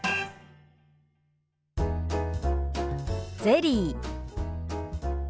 「ゼリー」。